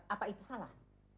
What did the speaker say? apa itu salah